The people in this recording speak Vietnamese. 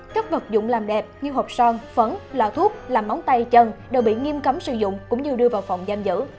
các vật dụng làm đẹp như hộp son phấn lò thuốc làm món tay chân đều bị nghiêm cấm sử dụng cũng như đưa vào phòng giam giữ